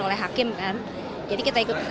oleh hakim kan jadi kita ikut